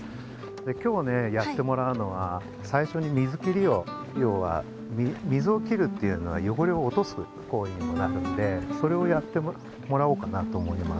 きょうねやってもらうのはさいしょに水切りを要は水を切るっていうのはよごれを落とす行為にもなるんでそれをやってもらおうかなと思います。